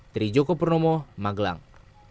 dari joko purnomo magelang